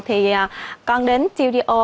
thì con đến studio